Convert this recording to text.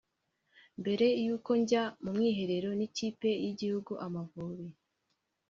Mbere y’uko ajya mu mwiherero n’ikipe y’igihugu Amavubi